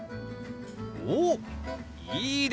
おっいいですね！